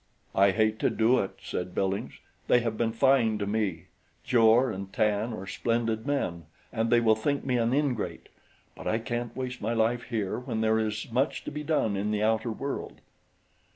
"I hate to do it," said Billings. "They have been fine to me. Jor and Tan are splendid men and they will think me an ingrate; but I can't waste my life here when there is so much to be done in the outer world."